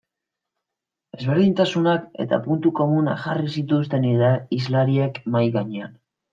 Ezberdintasunak eta puntu komunak jarri zituzten hizlariek mahai gainean.